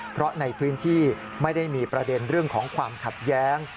เพราะในพื้นที่ไม่ได้มีประเด็นเรื่องของความขัดแย้ง